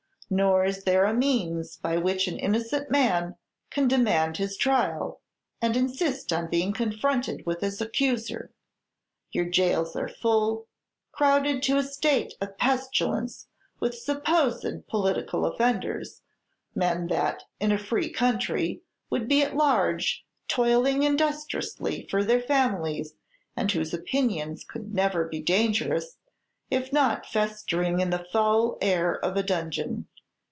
Nor is there a means by which an innocent man can demand his trial, and insist on being confronted with his accuser. Your jails are full, crowded to a state of pestilence with supposed political offenders, men that, in a free country, would be at large, toiling industriously for their families, and whose opinions could never be dangerous, if not festering in the foul air of a dungeon.